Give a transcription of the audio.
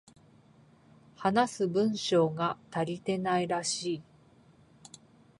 話す文章が足りていないらしい